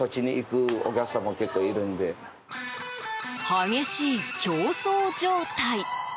激しい競争状態。